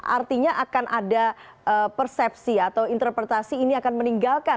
artinya akan ada persepsi atau interpretasi ini akan meninggalkan